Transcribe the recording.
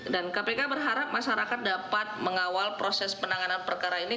dan kpk berharap masyarakat dapat mengawal proses penanganan perkara ini